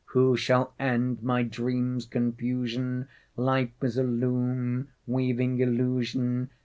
Who shall end my dream's confusion? Life is a loom, weaving illusion...